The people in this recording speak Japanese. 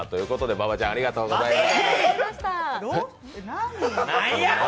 馬場ちゃんありがとうございます。